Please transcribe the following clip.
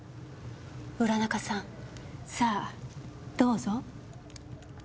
浦中さんさあどうぞ。